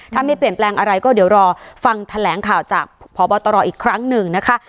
ถ้าไม่เปลี่ยนแปลงอะไรก็เดี๋ยวรอฟังแถลงข่าวจากพบตรอีกครั้งหนึ่งนะคะ